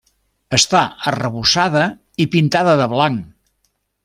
Està arrebossada i pintada de blanc.